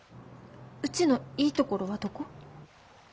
うちのいいところはどこ？